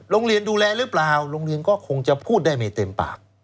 โรงเรียนดูแลหรือเปล่าโรงเรียนก็คงจะพูดได้ไม่เต็มปาก